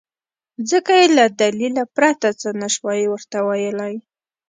ځکه يې له دليله پرته څه نه شوای ورته ويلی.